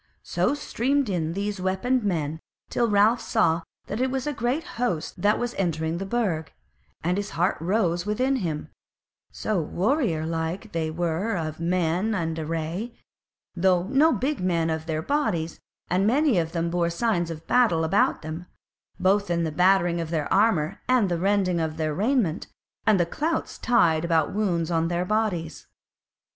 So streamed in these weaponed men till Ralph saw that it was a great host that was entering the Burg; and his heart rose within him, so warrior like they were of men and array, though no big men of their bodies; and many of them bore signs of battle about them, both in the battering of their armour and the rending of their raiment, and the clouts tied about the wounds on their bodies.